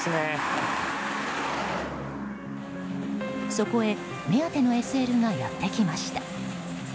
そこへ目当てのＳＬがやってきました。